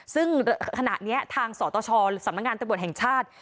ซึ่งขณะนี้ทางสตชสำนักงานตำรวจแห่งชาติ